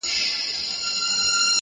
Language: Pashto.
کابل منتر وهلی-